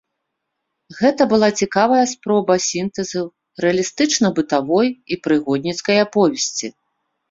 Гэта была цікавая спроба сінтэзу рэалістычна-бытавой і прыгодніцкай аповесці.